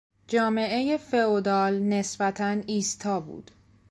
جامعهی فئودال نسبتا ایستا بود.